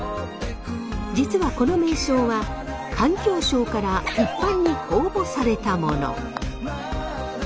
実はこの名称は環境省から一般に公募されたもの。